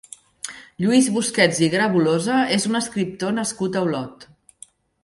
Lluís Busquets i Grabulosa és un escriptor nascut a Olot.